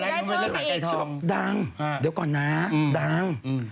ฉันบอกดังเดี๋ยวก่อนนะดัง